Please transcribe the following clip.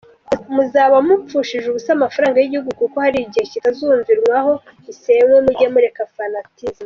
Muzaba mupfushije ubusa amafaranga y'igihugu kuko hari igihe kitazumvianwaho gisennywe! Mujye mureka fanatisme!.